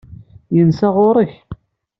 Yensa ɣur-k?